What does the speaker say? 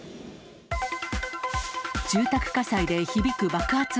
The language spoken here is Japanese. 住宅火災で響く爆発音。